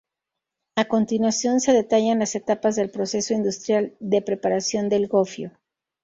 A continuación se detallan las etapas del proceso industrial de preparación del gofio.